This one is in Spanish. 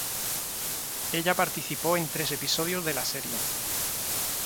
Ella participó en tres episodios de la serie.